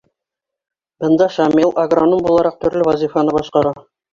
Бында Шамил, агроном булараҡ, төрлө вазифаны башҡара.